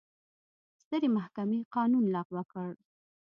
سترې محکمې قانون لغوه کړ.